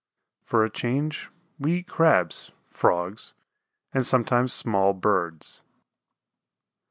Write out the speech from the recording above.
For a change we eat Crabs, Frogs, and sometimes small birds.